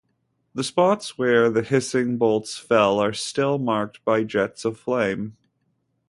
The spots where the hissing bolts fell are still marked by jets of flame.